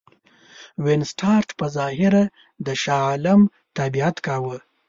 وینسیټارټ په ظاهره د شاه عالم تابعیت کاوه.